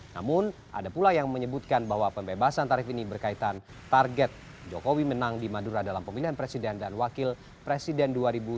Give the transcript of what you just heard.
namun ada pula yang menyebutkan bahwa pembebasan tarif ini berkaitan target jokowi menang di madura dalam pemilihan presiden dan wakil presiden dua ribu sembilan belas